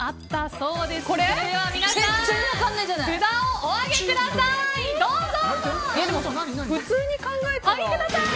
それでは皆さん札をお上げください。